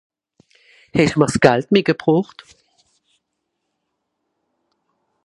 Hesch'm'r s'Gald mitgebrocht?